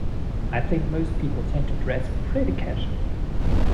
I think most people tend to dress pretty casually.